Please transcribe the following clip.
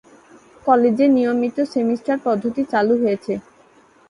কলেজে নিয়মিত সেমিস্টার পদ্ধতি চালু হয়েছে।